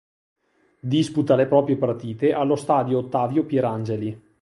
Disputa le proprie partite allo Stadio Ottavio Pierangeli.